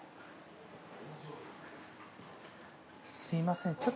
すいません